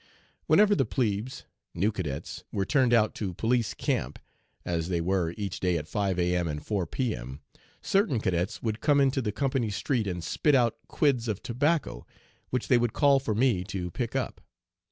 "Whenever the 'plebes' (new cadets) were turned out to 'police' camp, as they were each day at 5 A.M. and 4 P.M., certain cadets would come into the company street and spit out quids of tobacco which they would call for me to pick up.